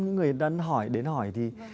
người đến hỏi thì